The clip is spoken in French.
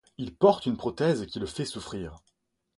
Il porte une prothèse qui le fait souffrir.